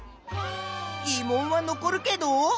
ぎ問は残るけど。